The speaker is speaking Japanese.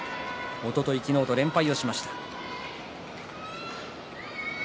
おととい、昨日と連敗をしました。